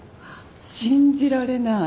信じられない！